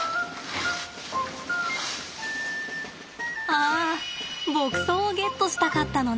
ああ牧草をゲットしたかったのね。